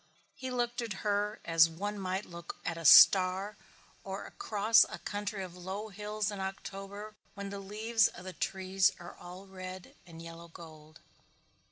He looked at her as one might look at a star or across a country of low hills in October when the leaves of the trees are all red and yellow gold.